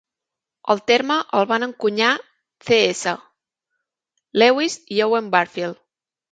El terme el van encunyar C. S. Lewis i Owen Barfield.